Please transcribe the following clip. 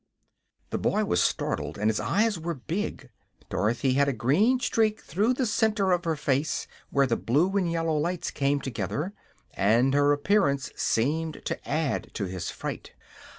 The boy was startled and his eyes were big. Dorothy had a green streak through the center of her face where the blue and yellow lights came together, and her appearance seemed to add to his fright.